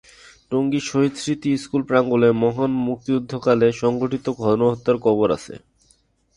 Tongi Shahid Smriti school প্রাঙ্গনে মহান মুক্তিযুদ্ধকালে সংঘটিত গণহত্যার করব আছে।